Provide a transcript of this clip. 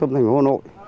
tâm thành của hồ nội